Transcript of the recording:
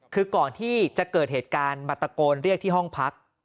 คือก่อนที่จะเกิดเหตุการณ์มาตะโกนเรียกที่ห้องพัก